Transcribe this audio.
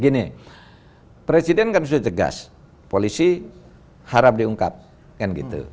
gini presiden kan sudah cegas polisi harap diungkap kan gitu